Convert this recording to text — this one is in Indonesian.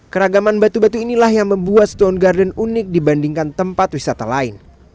keragaman batu batu inilah yang membuat stone garden unik dibandingkan tempat wisata lain